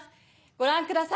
ご覧ください。